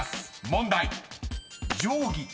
問題］